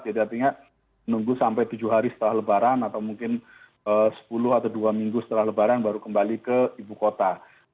jadi artinya menunggu sampai tujuh hari setelah lebaran atau mungkin sepuluh atau dua minggu setelah lebaran baru kembali ke ibu kota